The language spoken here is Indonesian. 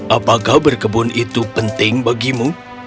apakah berkebun itu penting bagimu